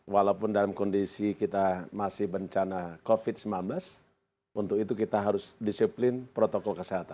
walaupun dalam kondisi kita masih bencana covid sembilan belas untuk itu kita harus disiplin protokol kesehatan